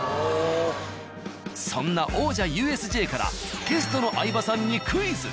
そんな王者ＵＳＪからゲストの相葉さんにクイズ。